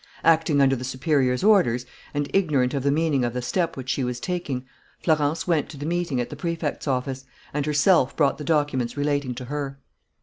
Acting under the superior's orders and ignorant of the meaning of the step which she was taking, Florence went to the meeting at the Prefect's office, and herself brought the documents relating to her.